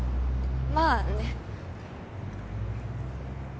まあね。